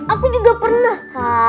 aku juga pernah